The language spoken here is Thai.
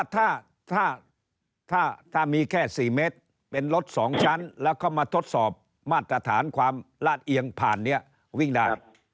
ถ้ามีแค่๔เมตรเป็นรถ๒ชั้นแล้วเข้ามาทดสอบมาตรฐานความลาดเอียงผ่านนี้วิ่งได้